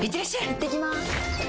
いってきます！